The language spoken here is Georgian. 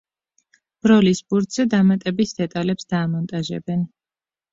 ბროლის ბურთზე დამატებით დეტალებს დაამონტაჟებენ.